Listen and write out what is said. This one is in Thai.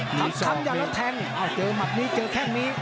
หลับคำอย่างละแทงเจอมัดนี้เจอแข้งนี้